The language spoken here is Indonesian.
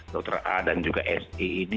dr a dan juga si ini